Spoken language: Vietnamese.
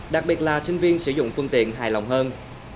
đặc biệt là sinh viên sử dụng phương tiện hài lòng hơn